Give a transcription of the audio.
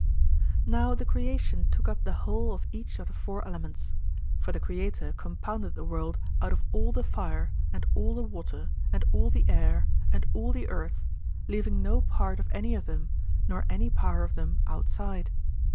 Now the creation took up the whole of each of the four elements; for the Creator compounded the world out of all the fire and all the water and all the air and all the earth, leaving no part of any of them nor any power of them outside.